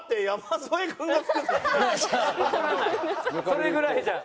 それぐらいじゃ？